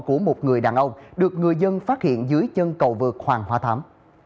của một người đàn ông được người dân phát hiện dưới chân cầu vực hoàng hóa thám